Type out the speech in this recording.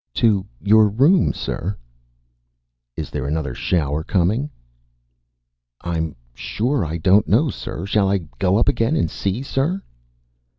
"To your room, sir." "Is there another shower coming?" "I'm sure I don't know, sir. Shall I go up again and see, sir?"